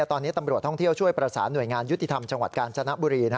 ตอนนี้ตำรวจท่องเที่ยวช่วยประสานหน่วยงานยุติธรรมจังหวัดกาญจนบุรี